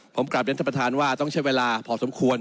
ผมกลับเรียนท่านประธานว่าต้องใช้เวลาพอสมควร